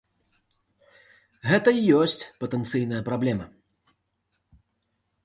Гэта і ёсць патэнцыйная праблема.